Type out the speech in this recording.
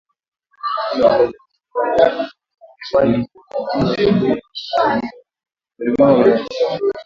Ni muhimu kula viazi lishe kwani virutubishi vilivyomo vinahitajika mwilini